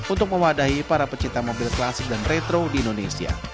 untuk memadahi para pecinta mobil klasik dan retro di indonesia